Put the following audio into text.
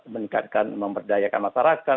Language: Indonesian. meningkatkan memberdayakan masyarakat